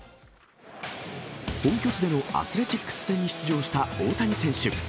本拠地でのアスレチックス戦に出場した大谷選手。